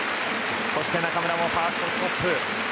そして中村もファーストストップ。